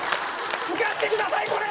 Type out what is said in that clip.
使ってくださいこれ！